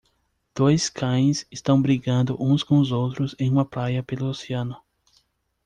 Dois cães estão brincando uns com os outros em uma praia pelo oceano.